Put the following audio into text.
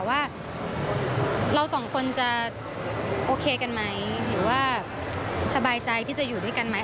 ว่าเราสองคนจะโอเคกันไหมหรือว่าสบายใจที่จะอยู่ด้วยกันไหม